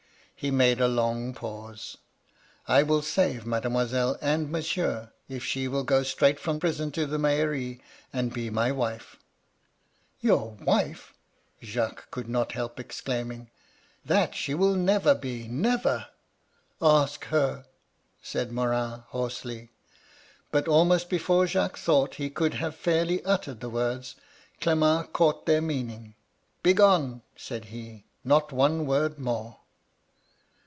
<< He made a long pause. * I will save mademoiselle and monsieur, if she will go stndght from prison to tbe mairie, and be my wife.' ^<^ Your wife !' Jacques could not help exclaiming. * That she will never be — ^never 1' "* Ask her !' said Morin, hoarsely. '^^ But almost before Jacques thought he could have fairly uttered the words, Clement caught their meaning. "* Begone 1' said he ;* not one word more.'